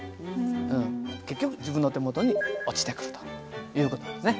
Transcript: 結局自分の手元に落ちてくるという事ですね。